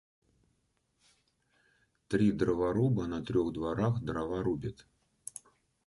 Три дроворуба на трех дворах дрова рубят.